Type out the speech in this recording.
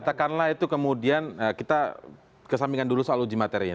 katakanlah itu kemudian kita kesambingan dulu soal uji materinya